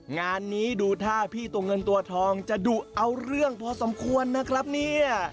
งานนี้ดูท่าพี่ตัวเงินตัวทองจะดุเอาเรื่องพอสมควรนะครับเนี่ย